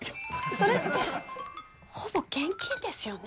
それってほぼ現金ですよね？